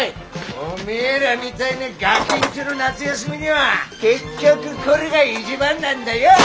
おめえらみたいなガギんちょの夏休みには結局これが一番なんだよ！